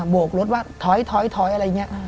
โบกรถว่าถอยถอยถอยอะไรอย่างนี้